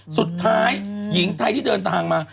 สุดท้ายหญิงไทยที่เดินทางมา